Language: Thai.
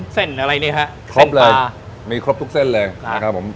เส้นอะไรเนี้ยฮะเส้นปลาครบเลยมีครบทุกเส้นเลยครับครับผม